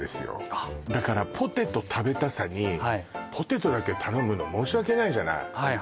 あだからポテト食べたさにポテトだけ頼むの申し訳ないじゃないはい